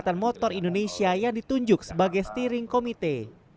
dan ikatan motor indonesia yang ditunjuk sebagai steering komite